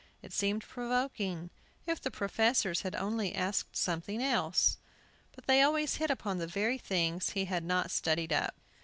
It seemed provoking; if the professors had only asked something else! But they always hit upon the very things he had not studied up.